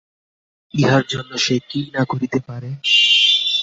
ইহার জন্য সে কি না করিতে পারে!